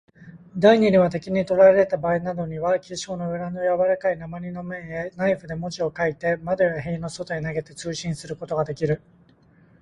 第二には、敵にとらえられたばあいなどに、記章の裏のやわらかい鉛の面へ、ナイフで文字を書いて、窓や塀の外へ投げて、通信することができる。